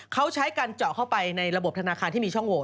เขาใช้การเจาะเข้าไปในระบบธนาคารที่มีช่องโหว